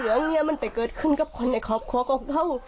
เหมือนมันไปเกิดขึ้นกับคนของเขา